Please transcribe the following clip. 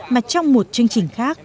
mà trong một chương trình khác